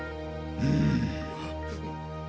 うん。